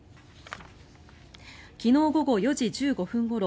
昨日午後４時１５分ごろ